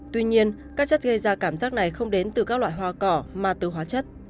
tuy nhiên các chất gây ra cảm giác này không đến từ các loại hoa cỏ mà từ hóa chất